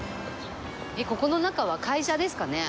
ここの中は会社ですかね？